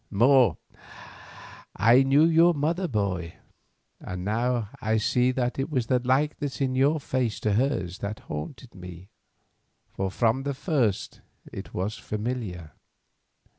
More, I knew your mother, boy, and now I see that it was the likeness in your face to hers that haunted me, for from the first it was familiar.